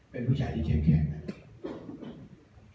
เป็นผู้ชายที่เย็นแข็งนะครับ